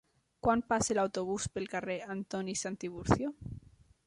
Quan passa l'autobús pel carrer Antoni Santiburcio?